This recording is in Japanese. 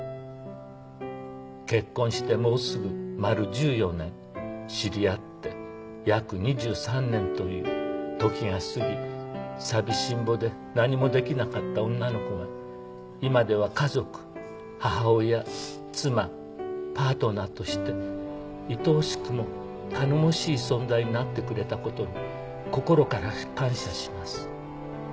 「結婚してもうすぐ丸１４年」「知り合って約２３年という時が過ぎ寂しんぼで何もできなかった女の子が今では家族母親妻パートナーとして愛おしくも頼もしい存在になってくれた事を心から感謝します。